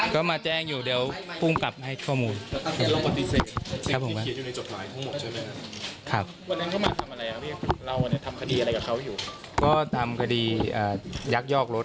ก็ตามคดียักษ์ยอกรถ